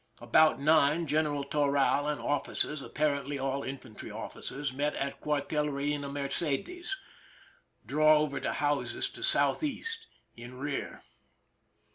About 9, General Toral and of&cers, apparently aU in fantry officers, meet at Cuartel Reina Mercedes. Draw over to houses to southeast, in rear.